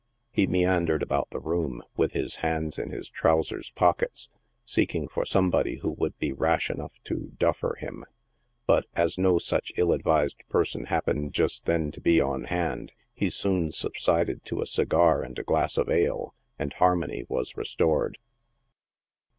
He meandered about the room, with his hands in his trousers' pockets, seeking for somebody who would be rash enough to " duffer" him, but, as" no such ill advised person happened just then to be on hand, he soon subsided to a cigar and a glass of ale, and harmony was restored.